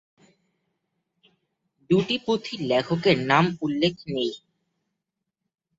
দুটি পুঁথির লেখকের নাম উল্লেখ নেই।